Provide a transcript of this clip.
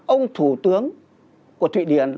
ông thủ tướng của thụy điển